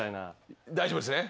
大丈夫っすね。